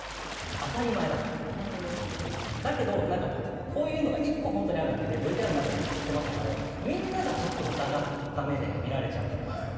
当たり前だから、だけど、こういうのが１個あるだけでＶＴＲの中でも言っていましたけれども、みんながちょっと疑った目でみられちゃうじゃないですか。